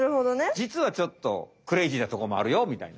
じつはちょっとクレイジーなとこもあるよみたいな。